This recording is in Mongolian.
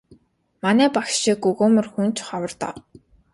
Манай багш шиг өгөөмөр хүн ч ховор доо.